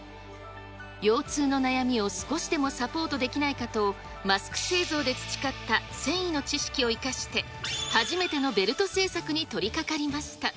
腰痛の悩みを少しでもサポートできないかと、マスク製造で培った繊維の知識を生かして、初めてのベルト製作に取りかかりました。